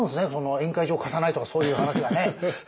宴会場を貸さないとかそういう話がね。